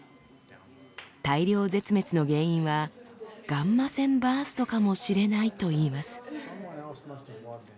大量絶滅の原因はガンマ線バーストかもしれないと言います。